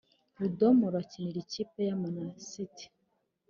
Rudomoro akiniria ikipe y’amanasiti